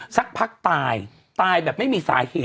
สักพักตายตายแบบไม่มีสาเหตุ